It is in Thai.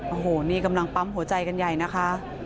โอ้โหนี่กำลังปั๊มหัวใจกันใหญ่นะคะ